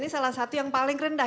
ini salah satu yang paling rendah